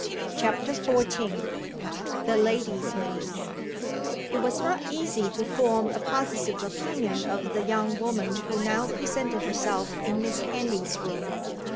CHAPTER XIV THE LADY'S MAID IT was not easy to form a positive opinion of the young woman who now presented herself in Miss Henley's room.